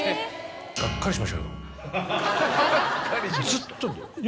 ずっと。